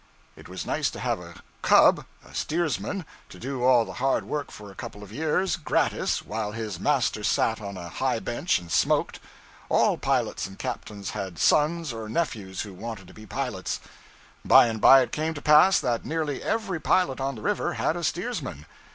It was nice to have a 'cub,' a steersman, to do all the hard work for a couple of years, gratis, while his master sat on a high bench and smoked; all pilots and captains had sons or nephews who wanted to be pilots. By and by it came to pass that nearly every pilot on the river had a steersman.